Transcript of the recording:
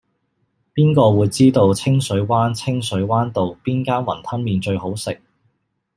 邊個會知道清水灣清水灣道邊間雲吞麵最好食